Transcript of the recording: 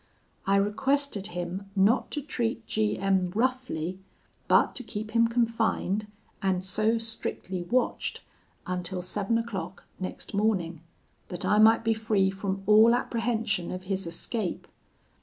I requested him not to treat G M roughly, but to keep him confined, and so strictly watched, until seven o'clock next morning, that I might be free from all apprehension of his escape.